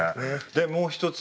でもう一つ。